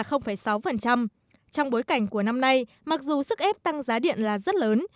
trong bối cảnh của năm nay mặc dù sức ép tăng giá điện là rất lớn